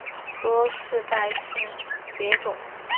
多世代性蝶种。